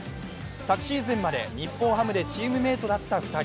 昨シーズンまで日本ハムでチームメイトだった２人。